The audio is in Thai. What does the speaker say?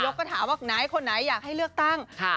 นายกก็ถามว่าคนน้ายคนนอกอยากให้เลือกตั้งพระอิจคาะ